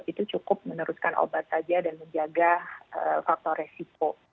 itu cukup meneruskan obat saja dan menjaga faktor resiko